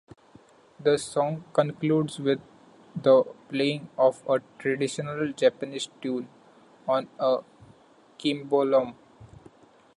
The song concludes with the playing of a traditional Japanese tune on a cimbalom.